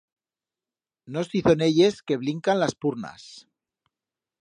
No estizoneyes que blincan las purnas.